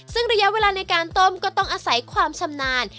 ซึ่งระยะเวลาในการต้มก็ต้องอาศัยความชำนาญ